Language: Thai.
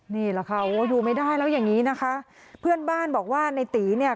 นี่แหละค่ะโอ้อยู่ไม่ได้แล้วอย่างงี้นะคะเพื่อนบ้านบอกว่าในตีเนี่ย